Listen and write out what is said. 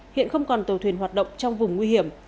hiện không còn tàu thuyền hoạt động trong vùng nguy hiểm